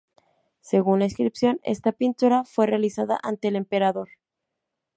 Según la inscripción, esta pintura fue realizada ante el emperador.